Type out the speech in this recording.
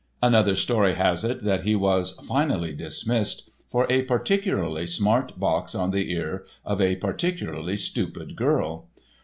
Another story has it that he was finally dismissed for a particularly smart box on the ear of a particularly stupid girl.